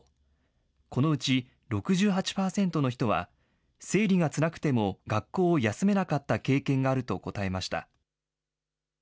このうち６８％の人は、生理がつらくても、学校を休めなかった経験があると答えました。